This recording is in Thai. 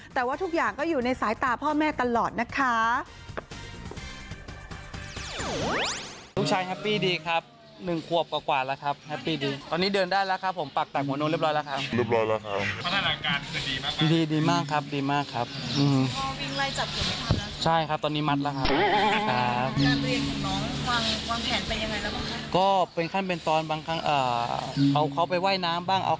แต่ว่าทุกอย่างก็อยู่ในสายตาพ่อแม่ตลอดนะคะ